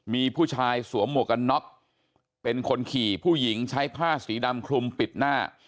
มีผู้ชายสวมหมวกกันน็อกเป็นคนขี่ผู้หญิงใช้ผ้าสีดำคลุมปิดหน้า